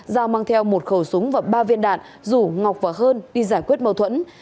giao mang theo một khẩu súng và ba viên đạn rủ ngọc và hơn đi giải quyết mâu thuẫn